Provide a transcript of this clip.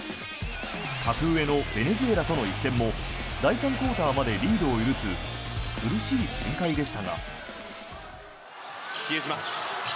格上のベネズエラとの一戦も第３クオーターまでリードを許す苦しい展開でしたが。